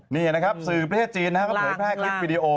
นี่นะครับสื่อประเทศจีนนะครับก็เผยแพร่คลิปวิดีโอ